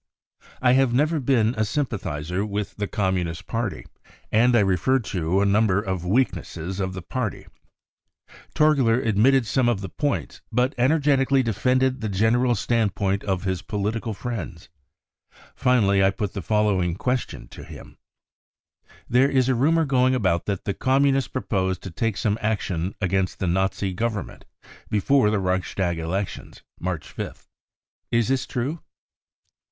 I have never been a sympathiser with the Communist Party, and I referred to a number of weaknesses of the party. Torgler admitted some of the points, but energeti cally defended the general standpoint of his political friends, finally I put the following questions to him : 44 * There is a rumour going about that the Communists propose to take some action against the Nazi Govern ment before the Reichstag elections (March 5th). Is this true